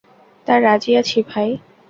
তা, রাজি আছি ভাই।